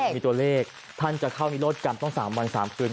มีตัวเลขท่านจะเข้านิโรธกรรมต้อง๓วัน๓คืน